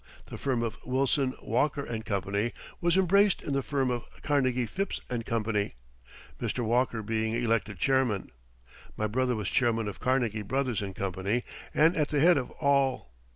The firm of Wilson, Walker & Co. was embraced in the firm of Carnegie, Phipps & Co., Mr. Walker being elected chairman. My brother was chairman of Carnegie Brothers & Co. and at the head of all.